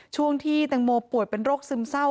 ช่วงที่แตงโมป่วยเป็นโรคซึมเศร้า